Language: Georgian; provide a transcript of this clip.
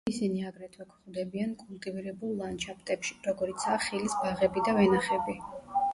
ისინი აგრეთვე გვხვდებიან კულტივირებულ ლანდშაფტებში, როგორიცაა ხილის ბაღები და ვენახები.